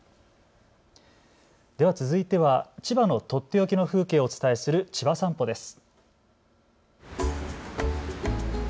続いては千葉のとっておきの風景をお伝えするちばさんぽです。